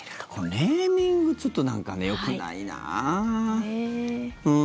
ネーミングちょっとなんかよくないな。